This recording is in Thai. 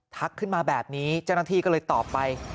ขึ้นมาแบบนี้เจ้าหน้าที่ก็เลยตอบไป